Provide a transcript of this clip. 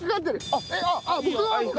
あっ僕の。